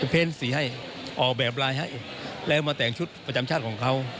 เพ้นสีให้ออกแบบไลน์ให้แล้วมาแต่งชุดประจำชาติของเขา